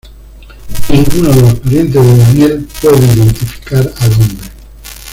Ninguno de los parientes de Daniel puede identificar al hombre.